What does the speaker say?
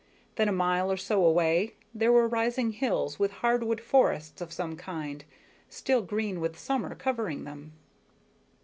Then, a mile or so away, there were rising hills with hardwood forests of some kind, still green with summer, covering them.